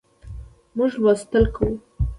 موږ لوستل کوو